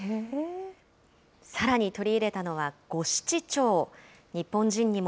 さらに取り入れたのは、五七調。